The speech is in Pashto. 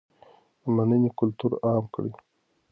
د مننې کلتور عام کړئ.